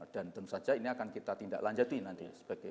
dan tentu saja ini akan kita tindak lanjati nanti